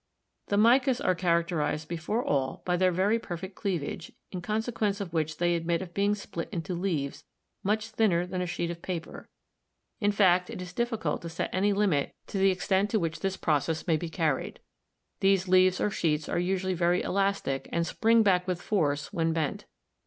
The micas are characterized before all by their very perfect cleavage, in consequence of which they admit of being split into leaves much thinner than a sheet of paper — in fact, it is difficult to set any limit to the extent to 276 GEOLOGY which this process may be carried. These leaves or sheets are usually very elastic and spring back with force when bent.